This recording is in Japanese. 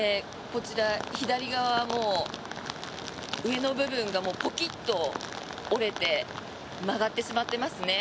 こちら、左側も上の部分がポキッと折れて曲がってしまっていますね。